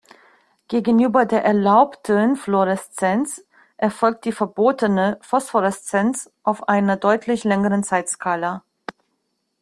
Gegenüber der „erlaubten“ Fluoreszenz erfolgt die „verbotene“ Phosphoreszenz auf einer deutlich längeren Zeitskala.